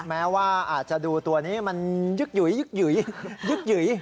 แม้ว่าอาจจะดูตัวนี้มันยึกหยุย